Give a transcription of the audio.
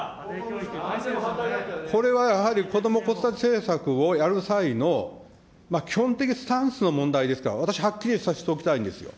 これはやはりこども・子育て政策をやる際の基本的スタンスの問題ですから、私、はっきりさせておきたいんですよ。